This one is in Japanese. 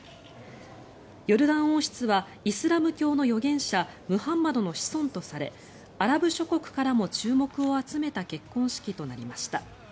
ヨルダン王室はイスラム教の預言者ムハンマドの子孫とされアラブ諸国からも注目を集めた結婚式となりました。